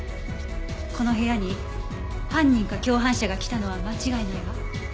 この部屋に犯人か共犯者が来たのは間違いないわ。